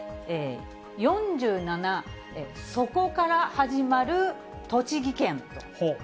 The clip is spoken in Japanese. ４７そこから始まる栃木県と。